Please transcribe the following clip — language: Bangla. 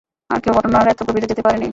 আর কেউ ঘটনার এত গভীরে যেতে পারেনি।